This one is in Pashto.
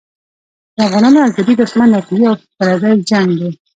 د افغانانو ازلي دښمن ناپوهي او پردی جنګ دی.